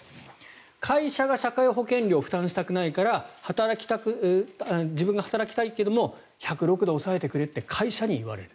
会社が社会保険料を負担したくないから自分が働きたいけども１０６で抑えてくれって会社に言われる。